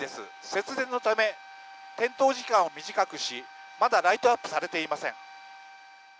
節電のため、点灯時間を短くしまだライトアップされていません。